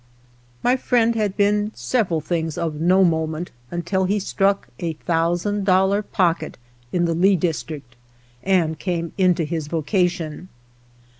My friend had been several things of no moment until he struck a thousand dollar pocket in the Lee District and came into his vocation.